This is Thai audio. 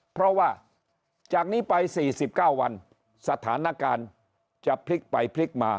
เพราะว่าจากนี้ไป๔๙วันสถานการณ์จะพลิกไปพลิกมา